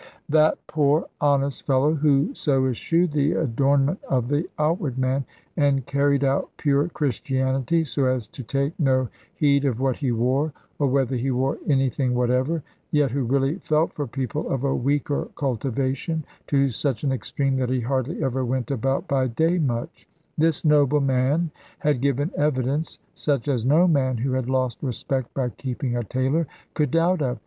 That poor honest fellow, who so eschewed the adornment of the outward man, and carried out pure Christianity so as to take no heed of what he wore, or whether he wore anything whatever; yet who really felt for people of a weaker cultivation, to such an extreme that he hardly ever went about by day much, this noble man had given evidence such as no man, who had lost respect by keeping a tailor, could doubt of.